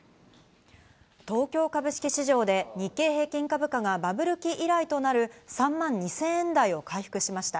東京株式市場で日経平均株価がバブル期以来となる３万２０００円台を回復しました。